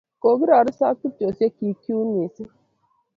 Kokirorise ak tupchosyek chuk missing'.